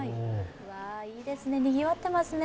いいですね、にぎわってますね。